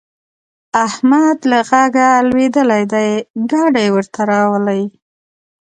احمد له غږه لوېدلی دی؛ ګاډی ورته راولي.